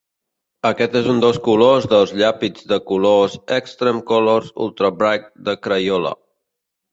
Aquest és un dels colors dels llapis de colors "eXtreme colors ultra-bright" de Crayola.